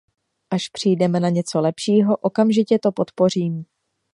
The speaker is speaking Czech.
Až přijdeme na něco lepšího, okamžitě to podpořím.